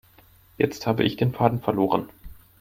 Jetzt habe ich den Faden verloren.